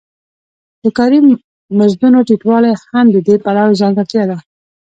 د کاري مزدونو ټیټوالی هم د دې پړاو ځانګړتیا ده